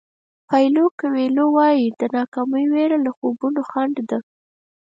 پایلو کویلو وایي د ناکامۍ وېره له خوبونو خنډ ده.